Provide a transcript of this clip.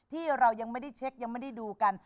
ที่เรายังไม่ได้เช็คยังไม่ได้ดูกัน